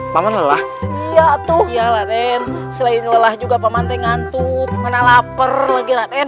paman paman lelah ya tuh ya lah dan selain lelah juga paman tengah ngantuk mana lapar lagi raden